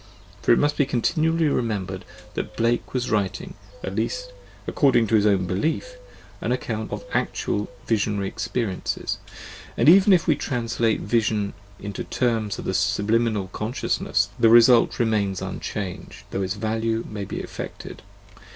For it must continually be re membered that Blake was writing, at least according to his own belief, an account of actual visionary experiences: and even if we translate vision into terms of the subliminal consciousness the result remains unchanged, though its value may be affected.